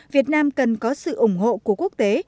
việt nam cần có sự ủng hộ của quốc tế